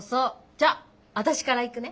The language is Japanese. じゃあ私からいくね。